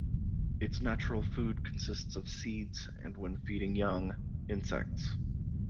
Its natural food consists of seeds and when feeding young, insects.